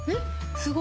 すごい。